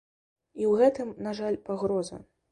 І ў гэтым, на жаль, пагроза.